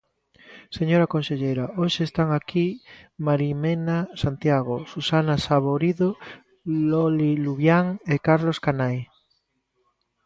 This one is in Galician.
Señora conselleira, hoxe están aquí Marimena Santiago, Susana Saborido, Loli Luvián e Carlos Canai.